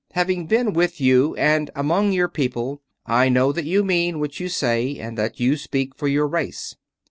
"Having been with you and among your people, I know that you mean what you say and that you speak for your race.